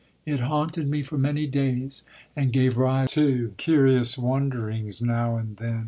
It haunted me for many days, and gave rise to curious wonderings now and then.